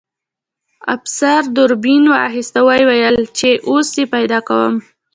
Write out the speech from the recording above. افسر دوربین واخیست او ویې ویل چې اوس یې پیدا کوم